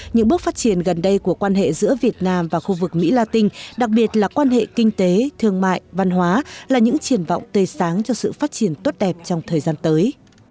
những bước phát triển gần đây của quan hệ giữa việt nam và khu vực mỹ la tinh đặc biệt là quan hệ kinh tế thương mại văn hóa là những triển vọng tê sáng cho sự phát triển tốt đẹp trong thời gian tới